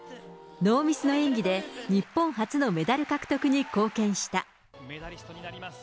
ノーミスの演技で、日本初のメダル獲得に貢献した。